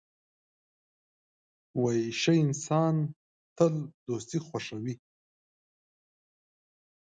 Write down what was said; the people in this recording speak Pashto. ښه انسان تل دوستي خوښوي